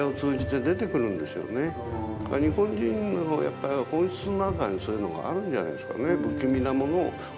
日本人のやっぱり本質の中にそういうのがあるんじゃないですかね。